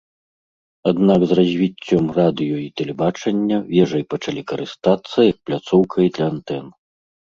Аднак з развіццём радыё і тэлебачання вежай пачалі карыстацца як пляцоўкай для антэн.